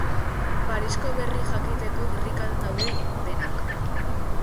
Parisko berri jakiteko irrikan daude denak.